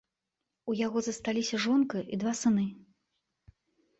У яго засталіся жонка і два сыны.